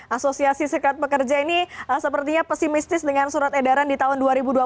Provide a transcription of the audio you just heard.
asosiasi sekat pekerja ini sepertinya pesimistis dengan surat edaran di tahun dua ribu dua puluh